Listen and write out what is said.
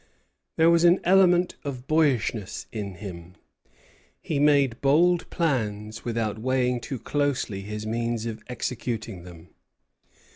There was an element of boyishness in him. He made bold plans without weighing too closely his means of executing them.